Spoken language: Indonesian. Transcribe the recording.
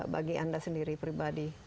bagi anda sendiri pribadi